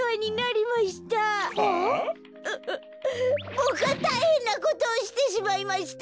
うっボクはたいへんなことをしてしまいました。